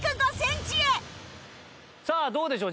さあどうでしょう？